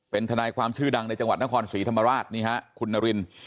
เป็นทนายความชื่อดังในจังหวัดนครศรีธรรมราชนี่ฮะคุณนาริน